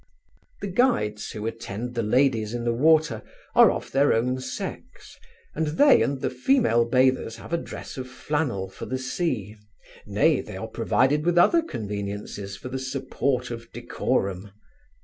The guides who attend the ladies in the water, are of their own sex, and they and the female bathers have a dress of flannel for the sea; nay, they are provided with other conveniences for the support of decorum.